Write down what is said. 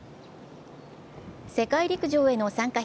世界陸上への参加